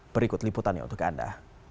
berikut liputannya untuk anda